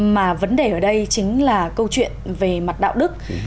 mà vấn đề ở đây chính là câu chuyện về mặt đạo đức